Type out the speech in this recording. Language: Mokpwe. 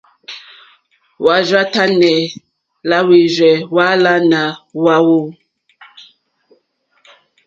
Hwá rzà tánɛ̀ làhwírzɛ́ hwáàlánà hwáwú.